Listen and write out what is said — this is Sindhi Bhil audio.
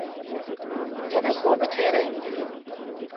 جڏهيݩ ٻوڏ ٿئي رهيٚ هُݩديٚ ۔